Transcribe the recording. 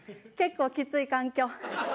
結構きつい環境。